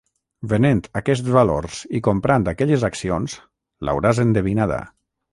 Venent aquests valors i comprant aquelles accions, l'hauràs endevinada.